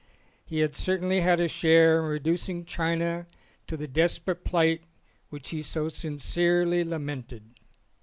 He had certainly had a share in reducing China to the desperate plight which he so sincerely lamented.